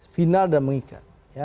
final dan mengikat